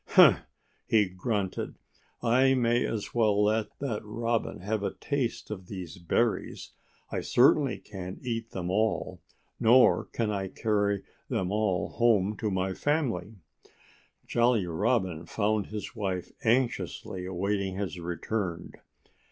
"Humph!" he grunted. "I may as well let that Robin have a taste of these berries. I certainly can't eat them all, nor carry them all home to my family." Jolly Robin found his wife anxiously awaiting his return.